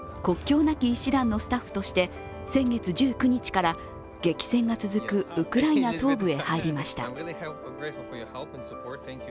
国境なき医師団のスタッフとして先月１９日から激戦が続くウクライナ東部へ入りました。